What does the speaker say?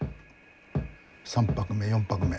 ３拍目４拍目。